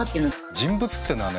人物っていうのはね